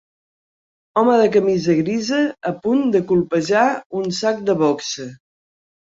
Home de camisa grisa a punt de colpejar un sac de boxa.